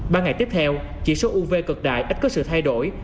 ba ngày tiếp theo chỉ số uv cực đại ít có sự thay đổi